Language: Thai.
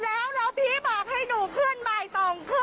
แล้วถ้าพี่บอกว่ามันขึ้นไม่ได้ตั้งแต่แรก